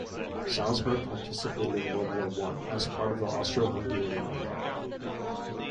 Salzburg participated in World War One, as part of the Austro-Hungarian Empire.